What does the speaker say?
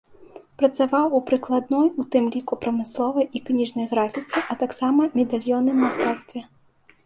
Працаваў у прыкладной, у тым ліку, прамысловай і кніжнай графіцы, а таксама медальённым мастацтве.